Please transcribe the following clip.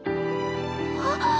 あっ！